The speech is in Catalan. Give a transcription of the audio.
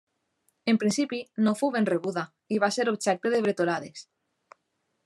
En principi, no fou ben rebuda, i va ser objecte de bretolades.